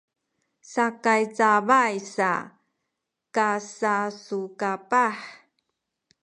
sakay cabay sa kasasukapah